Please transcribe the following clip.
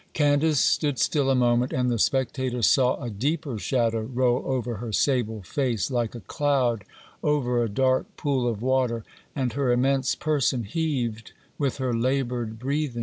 Candace stood still a moment, and the spectators saw a deeper shadow roll over her sable face, like a cloud over a dark pool of water, and her immense person heaved with her laboured breathing.